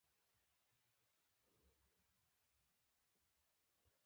د کندهار احمد شاهي ښار د نادر پلان دی